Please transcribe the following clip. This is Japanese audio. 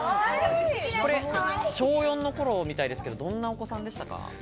これ小４の頃みたいですけど、どんなお子さんでしたか？